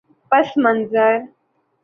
پس منظر